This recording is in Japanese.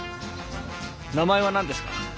名前は何ですか？